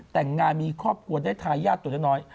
แต่งงานมีครอบครัวได้ทายาทตัวน้อย